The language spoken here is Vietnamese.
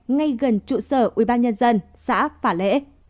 ngay gần trụ sở ubnd xã phả lễ